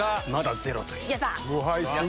やった！